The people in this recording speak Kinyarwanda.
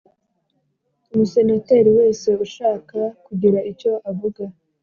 Umusenateri wese ushaka kugira icyo avuga